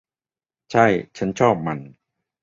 ใช่ ฉันชอบมัน